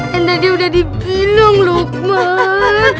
yang tadi udah dibilang lukman